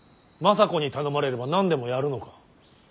政子に頼まれれば何でもやるのか。